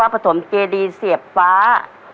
ปฐมเจดีเสียบฟ้า